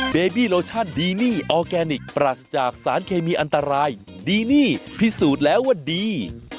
เบบี้โลชั่นดีนี่ออร์แกนิคปรัสจากสารเคมีอันตรายดีนี่พิสูจน์แล้วว่าดี